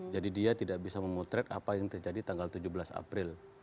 jadi dia tidak bisa memotret apa yang terjadi tanggal tujuh belas april